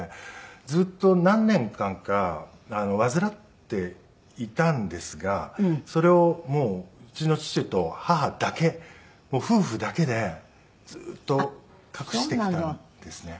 ずっと何年間か患っていたんですがそれをうちの父と母だけ夫婦だけでずっと隠してきたんですね。